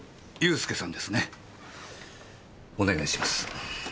お願いします。